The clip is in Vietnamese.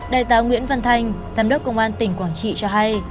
đại tá nguyễn văn thanh giám đốc công an tỉnh quảng trị cho hay